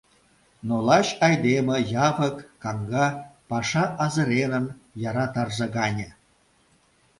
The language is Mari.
Но лач айдеме, явык, каҥга, — паша азыренын яра тарзе гане.